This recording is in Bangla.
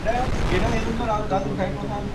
পিটার, তোমার দুর্বলতা হলো তোমার ভালোমানুষি।